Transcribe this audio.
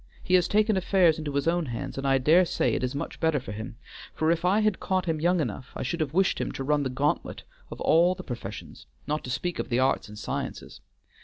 He has taken affairs into his own hands, and I dare say it is much better for him, for if I had caught him young enough, I should have wished him to run the gauntlet of all the professions, not to speak of the arts and sciences.